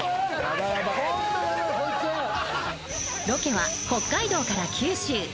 ロケは北海道から九州